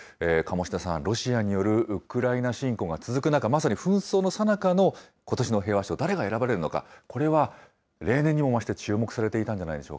鴨志田さん、ロシアによるウクライナ侵攻が続く中、まさに紛争のさなかのことしの平和賞、誰が選ばれるのか、これは例年にも増して注目されていたんじゃないでし